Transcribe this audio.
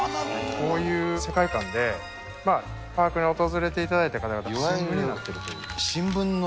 こういう世界観で、パークに訪れていただいた方々に、新聞になってると。